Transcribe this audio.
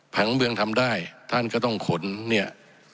ผังเมืองทำได้ท่านก็ต้องขนเนี่ย